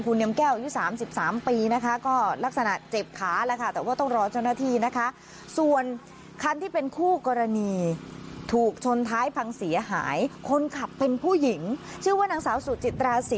เรือนอัศหกใจว่าเขาจำเลยว่า